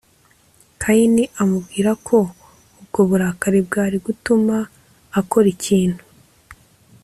kayini amubwira ko ubwo burakari bwari gutuma akora ikintu